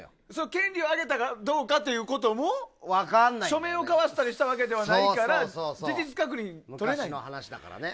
権利をあげたかどうかということも書面を交わしたりしたわけでもないから、事実確認とれない。